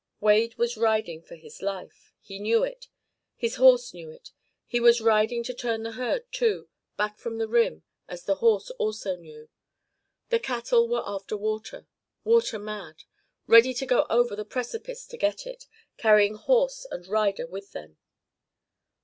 Wade was riding for his life. He knew it. His horse knew it. He was riding to turn the herd, too, back from the rim, as the horse also knew. The cattle were after water water mad ready to go over the precipice to get it, carrying horse and rider with them.